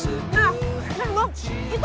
cepet samperin samperin cepetan